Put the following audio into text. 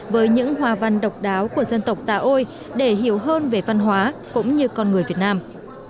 với những hòa văn độc đáo của dân tộc tà ôi để hiểu hơn về văn hóa cũng như con người việt nam